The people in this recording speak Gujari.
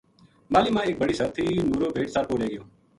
ماہلی ما ایک بڑی سر تھی نُورو بھیڈ سر پو لے گیو